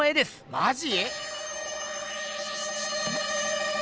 マジ？